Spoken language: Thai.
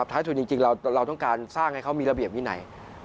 ท้ายทุนจริงเราต้องการสร้างให้เขามีระเบียบวินัย